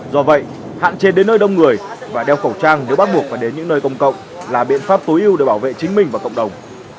do vậy hạn chế đến nơi đông người và đeo khẩu trang nếu bắt buộc phải đến những nơi công cộng là biện pháp tối ưu để bảo vệ chính mình và cộng đồng